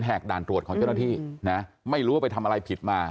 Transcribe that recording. ด่านตรวจของเจ้าหน้าที่นะไม่รู้ว่าไปทำอะไรผิดมา